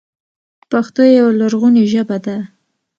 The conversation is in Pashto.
پښتو یوه لرغوني ژبه ده.